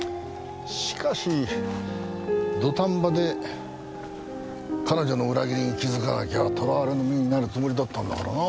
しかし土壇場で彼女の裏切りに気づかなきゃ捕らわれの身になるつもりだったんだからな。